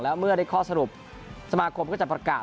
และเมื่อได้ข้อสรุปสมาคมก็จะประกาศ